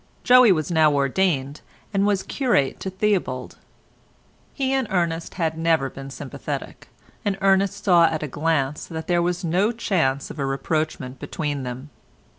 Joey was now ordained, and was curate to Theobald. He and Ernest had never been sympathetic, and Ernest saw at a glance that there was no chance of a rapprochement between them.